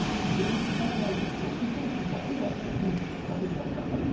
非常に力のある女子選手だけが５人、失格になりました。